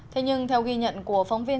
thế nhưng theo ghi nhận của phóng viên